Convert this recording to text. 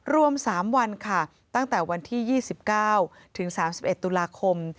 รวม๓วันค่ะตั้งแต่วันที่๒๙ถึง๓๑ตุลาคม